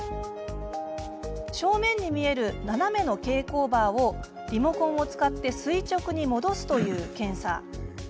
正面に見える斜めの蛍光バーをリモコンを使って垂直に戻すという検査。